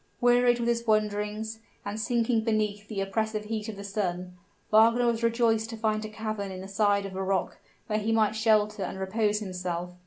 Wearied with his wanderings, and sinking beneath the oppressive heat of the sun, Wagner was rejoiced to find a cavern in the side of a rock, where he might shelter and repose himself.